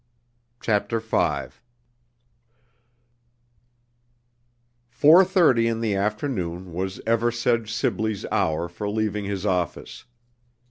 CHAPTER V Four thirty in the afternoon was Eversedge Sibley's hour for leaving his office.